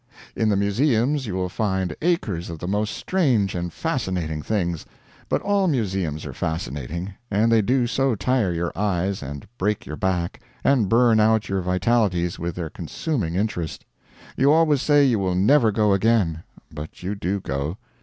In the museums you will find acres of the most strange and fascinating things; but all museums are fascinating, and they do so tire your eyes, and break your back, and burn out your vitalities with their consuming interest. You always say you will never go again, but you do go.